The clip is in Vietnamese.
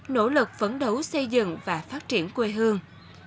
nỗ lực phấn đấu xây dựng và phát triển quê hương